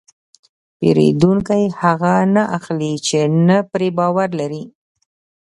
پیرودونکی هغه نه اخلي چې نه پرې باور لري.